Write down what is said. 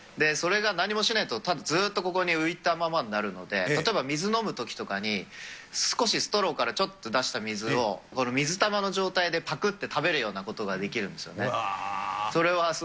それが何もしないとたぶんずっとここに浮いたままになるので、例えば水飲むときとかに、少しストローからちょっと出した水を、水玉の状態でぱくって食べるようなことができるんですよね。